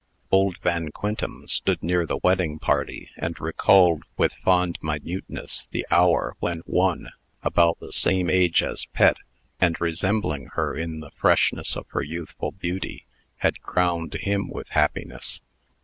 Old Van Quintem stood near the wedding party, and recalled, with fond minuteness, the hour when one, about the same age as Pet, and resembling her in the freshness of her youthful beauty, had crowned him with happiness.